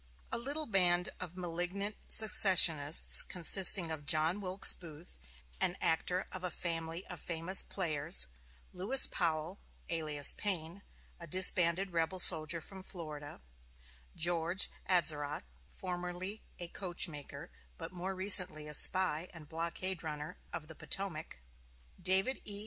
A little band of malignant secessionists, consisting of John Wilkes Booth, an actor of a family of famous players; Lewis Powell, alias Payne, a disbanded rebel soldier from Florida; George Atzerodt, formerly a coachmaker, but more recently a spy and blockade runner of the Potomac; David E.